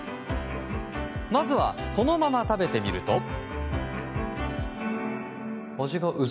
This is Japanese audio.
まずはそのまま食べてみると。